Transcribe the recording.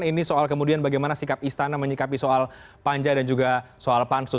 ini soal kemudian bagaimana sikap istana menyikapi soal panja dan juga soal pansu